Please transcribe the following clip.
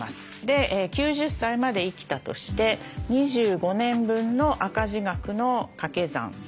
９０歳まで生きたとして２５年分の赤字額のかけ算。